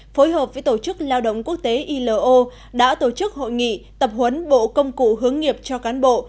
phối hợp với tổ chức lao động quốc tế ilo đã tổ chức hội nghị tập huấn bộ công cụ hướng nghiệp cho cán bộ